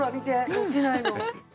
落ちないの。